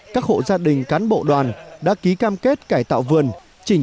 các hộ gia đình cán bộ đoàn đã ký cam kết cải tạo vườn